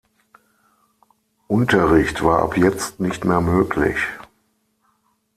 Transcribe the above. Unterricht war ab jetzt nicht mehr möglich.